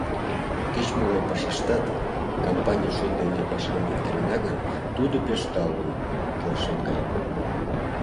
Кеч-могай пашаштат, кампаний шот дене пашам виктарена гын, тудо пеш талын, келшен кайыман.